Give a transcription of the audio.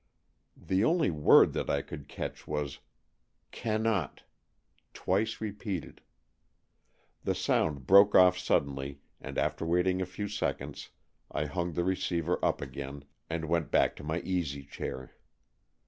The only word that I could catch was " Cannot " twice repeated. The sound broke off suddenly, and after waiting a few seconds I hung the receiver up again and went back to my easy chair.